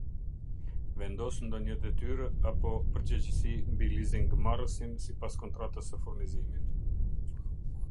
Vendos ndonjë detyrë apo përgjegjësi mbi lizingmarrësin sipas Kontratës së Furnizimit.